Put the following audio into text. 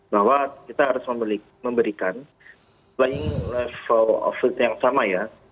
bahwa kita harus memberikan playing level of it yang sama ya